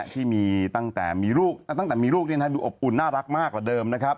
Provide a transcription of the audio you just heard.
ที่มีตั้งแต่มีลูกตั้งแต่มีลูกดูอบอุ่นน่ารักมากกว่าเดิมนะครับ